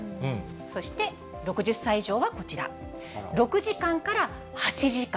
そして６０歳以上はこちら、６時間から８時間。